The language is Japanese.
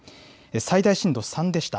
最大震度３でした。